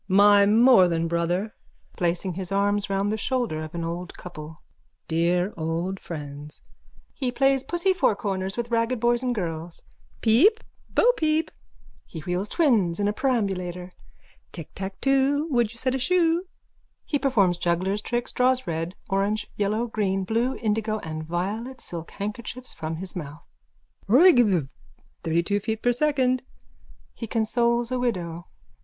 _ My more than Brother! (Placing his arms round the shoulders of an old couple.) Dear old friends! (He plays pussy fourcorners with ragged boys and girls.) Peep! Bopeep! (He wheels twins in a perambulator.) Ticktacktwo wouldyousetashoe? _(He performs juggler's tricks, draws red, orange, yellow, green, blue, indigo and violet silk handkerchiefs from his mouth.)_ Roygbiv. 32 feet per second. _(He consoles a widow.)